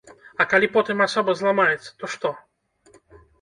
А калі потым асоба зламаецца, то што?